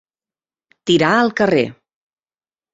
Tirar al carrer.